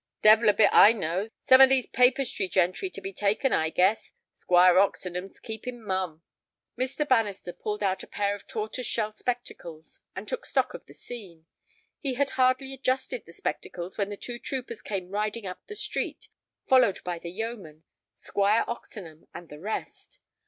"Devil a bit I knows. Some of these papistry gentry to be taken, I guess. Squire Oxenham's keeping mum." Mr. Bannister pulled out a pair of tortoise shell spectacles and took stock of the scene. He had hardly adjusted the spectacles when the two troopers came riding up the street, followed by the yeomen, Squire Oxenham, and the rest.